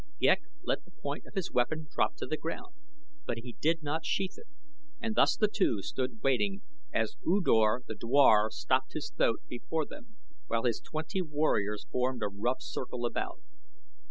Ghek let the point of his weapon drop to the ground, but he did not sheathe it, and thus the two stood waiting as U Dor the dwar stopped his thoat before them while his twenty warriors formed a rough circle about.